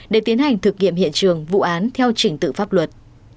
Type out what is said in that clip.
để tiến hành thực nghiệm hiện trường vụ án theo trình tự pháp luật